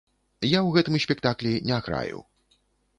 Я ў гэтым спектаклі не граю.